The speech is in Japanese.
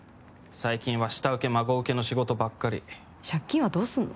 最近は下請け孫請けの仕事ばっかり借金はどうするの？